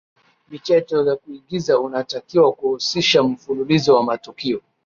michezo ya kuigiza unatakiwa kuhusisha mfululizo wa matukio